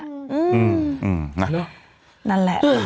อืมอืมนั่นแหละ